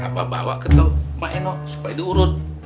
abah bawa ke tempat lain wak supaya diurut